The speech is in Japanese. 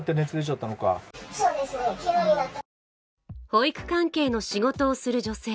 保育関係の仕事をする女性。